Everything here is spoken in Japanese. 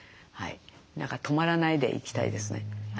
何か止まらないで行きたいですね。